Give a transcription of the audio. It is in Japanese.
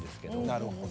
なるほど。